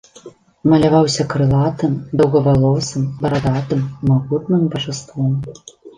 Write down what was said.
Маляваўся крылатым, доўгавалосым, барадатым, магутным бажаством.